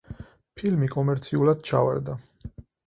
ფილმი კომერციულად ჩავარდა.